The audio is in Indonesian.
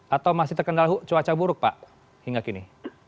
atau masih terkendala cuaca buruk pak hingga kini